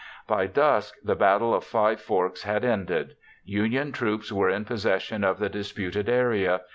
By dusk, the Battle of Five Forks had ended. Union troops were in possession of the disputed area.